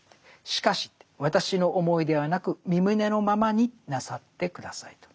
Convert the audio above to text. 「しかしわたしの思いではなくみ旨のままになさってください」と。